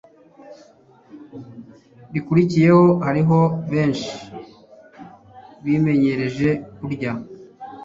rikurikiyeho Hariho benshi bimenyereje kurya